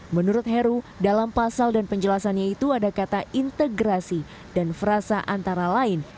menurut heru dalam pasal dan penjelasannya itu ada kata integrasi dan frasa antara lain